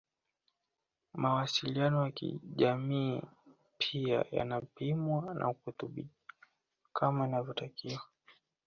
Mawasiliano ya kijamii pia yanapimwa na kutibiwa kama inavyotakiwa